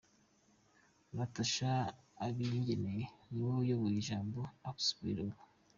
Natacha Abingeneye; niwe uyoboye Jambo asbl ubu.